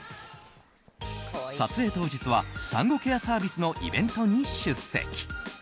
撮影当日は、産後ケアサービスのイベントに出席。